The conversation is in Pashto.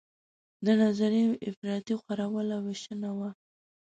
د نظریو افراطي خورول او ویشنه وه.